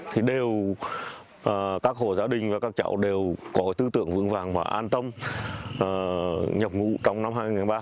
thì đều các hộ gia đình và các chậu đều có tư tưởng vững vàng và an tâm nhập ngũ trong năm hai nghìn ba